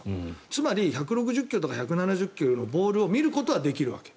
つまり、１６０ｋｍとか１７０ｋｍのボールを見ることはできるわけ。